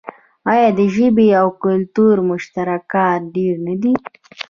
آیا د ژبې او کلتور مشترکات ډیر نه دي؟